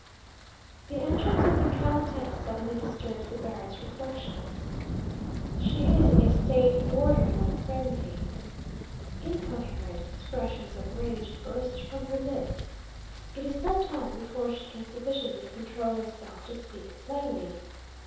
'The entrance of the Countess suddenly disturbs the Baron's reflections. She is in a state bordering on frenzy. Incoherent expressions of rage burst from her lips: it is some time before she can sufficiently control herself to speak plainly.